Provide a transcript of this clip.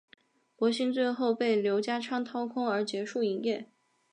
博新最后被刘家昌掏空而结束营业。